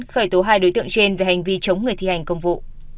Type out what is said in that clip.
khởi tố hai đối tượng trên về hành vi chống người thi hành công vụ